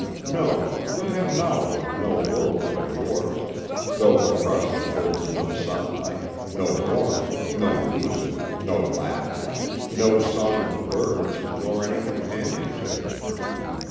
No, we have knowledge of no world but yours, though for us it holds no sunlight, no warmth, no music, no laughter, no song of birds, nor any companionship.